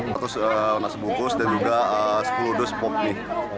terus nasi bungkus dan juga sepuluh dos popi